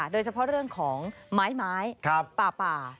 โดยเฉพาะเรื่องของไม้ไม้ป่า